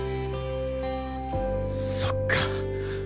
そっか。